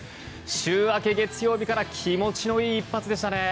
週明け月曜日から気持ちのいい一発でしたね。